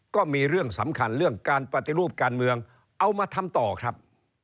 ก็มีเรื่องสำคัญเรื่องการปฏิรูปการเมืองเอามาทำต่อครับ